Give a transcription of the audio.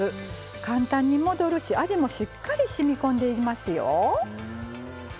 簡単に戻るし、味もしっかりしみこんでいますよ。